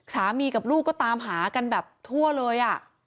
สามีกับลูกก็ตามหากันแบบทั่วเลย